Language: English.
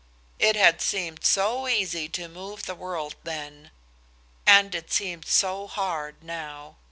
It had seemed so easy to move the world then, and it seemed so hard now.